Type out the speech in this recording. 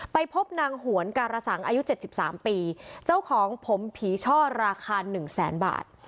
ไปพบนางหวนการสังอายุ๗๓ปีเจ้าของผมผีช่อราคาหนึ่งแสนบาท